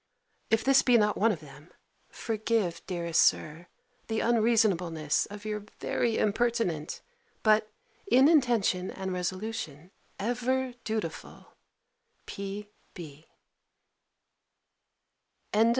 If this be not one of them, forgive, dearest Sir, the unreasonableness of your very impertinent, but, in intention and resolution, ever dutiful, P.B.